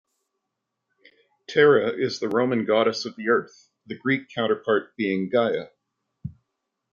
Terra is the Roman goddess of the Earth, the Greek counterpart being Gaia.